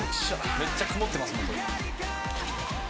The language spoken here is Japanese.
めっちゃ曇ってますもん。